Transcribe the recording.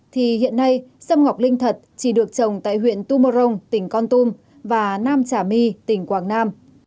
thì hiện nay sâm ngọc linh thật chỉ được trồng tại huyện tumorong tỉnh con tum và nam trà my tỉnh quảng nam